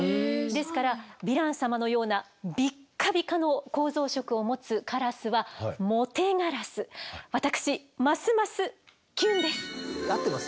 ですからヴィラン様のようなビッカビカの構造色を持つカラスは私ますます合ってます？